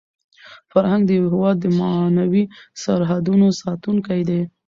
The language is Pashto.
فرهنګ د یو هېواد د معنوي سرحدونو ساتونکی دی.